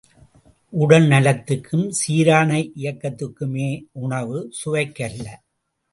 உடல் நலத்துக்கும் சீரான இயக்கத்துக்குமே உணவு சுவைக்கல்ல.